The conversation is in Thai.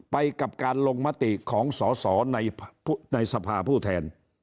ไปกับการลงมติของสอสอในสภาผู้แทน